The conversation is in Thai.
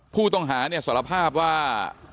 ผู้ต้องหาเนี่ยสารภาพว่า